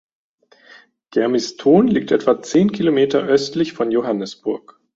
Germiston liegt etwa zehn Kilometer östlich von Johannesburg.